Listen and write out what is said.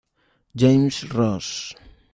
James Ross